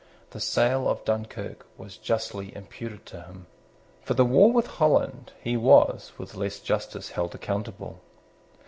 The sale of Dunkirk was justly imputed to him. For the war with Holland, he was, with less justice, held accountable.